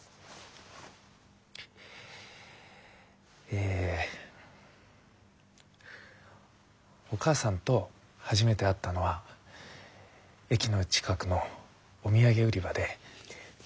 えお母さんと初めて会ったのは駅の近くのお土産売り場で。